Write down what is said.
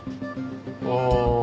ああ。